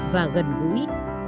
và gần gũi